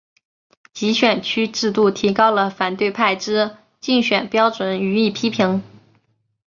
集选区制度提高了反对派之竞选标准予以批评。